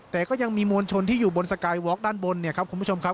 แต่ก็ยังมีมวลชนที่อยู่บนสกายวอล์ด้านบนเนี่ยครับคุณผู้ชมครับ